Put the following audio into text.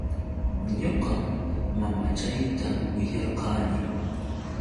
Ñuqam mamachayta willarqani.